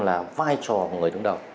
là vai trò của người đồng tình